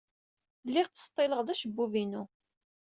Lliɣ ttseḍḍileɣ-d acebbub-inu.